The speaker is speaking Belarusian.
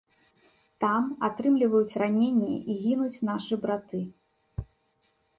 Там атрымліваюць раненні і гінуць нашы браты.